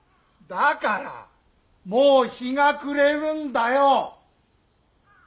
だからもう日が暮れるんだよ。